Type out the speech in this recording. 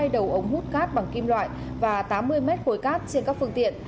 hai đầu ống hút cát bằng kim loại và tám mươi mét khối cát trên các phương tiện